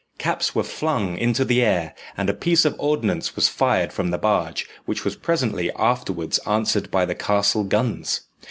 Caps were flung into the air, and a piece of ordnance was fired from the barge, which was presently afterwards answered by the castle guns.